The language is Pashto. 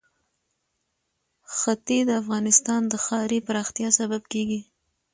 ښتې د افغانستان د ښاري پراختیا سبب کېږي.